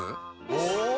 お！